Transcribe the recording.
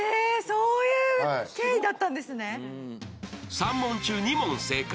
３問中２問正解。